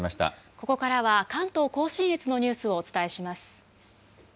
ここからは関東甲信越のニュースをお伝えします。